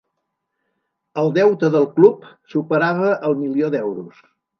El deute del club superava el milió d’euros.